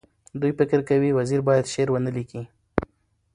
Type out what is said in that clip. دوی فکر کوي وزیر باید شعر ونه لیکي.